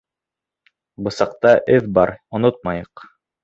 Бысаҡта эҙ бар, онотмайыҡ.